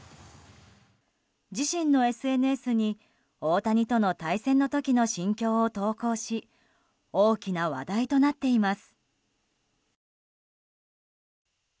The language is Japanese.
自身のＳＮＳに大谷との対戦の時の心境を投稿し大きな話題となっています。